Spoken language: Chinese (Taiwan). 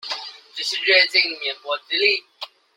只是略盡棉薄之力